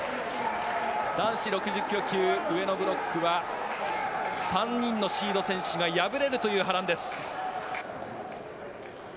男子６０ｋｇ級上のブロックは３人のシード選手が敗れるという波乱です。